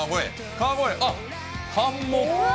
川越、あっ、ハンモック。